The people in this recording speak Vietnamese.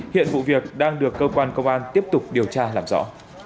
hiện vụ việc đang được cơ quan công an tiếp tục điều tra làm rõ